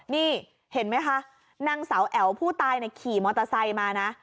นี่เห็นไหมคะนางสาวแอ๋วผู้ตายขี่มอเตอร์ไซค์มานะ